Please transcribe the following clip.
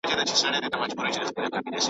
حکومت باید انصاف وکړي.